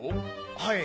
はい！